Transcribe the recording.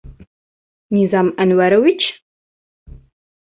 Низам Әнүәрович?